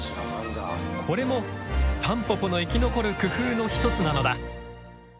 これもタンポポの生き残る工夫の一つなのだ。